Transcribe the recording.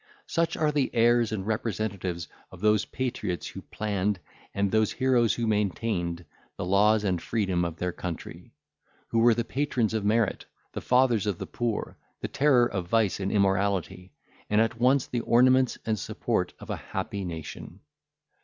Such are the heirs and representatives of those patriots who planned, and those heroes who maintained, the laws and freedom of their country; who were the patrons of merit, the fathers of the poor, the terror of vice and immorality, and at once the ornaments and support of a happy nation.